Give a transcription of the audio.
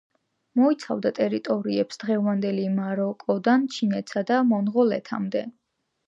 მოიცავდა ტერიტორიებს დღევანდელი მაროკოდან ჩინეთსა და მონღოლეთამდე.